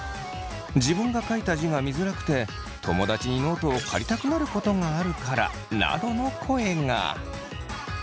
自分が書いた字が見づらくて友だちにノートを借りたくなることがあるからなどの声が。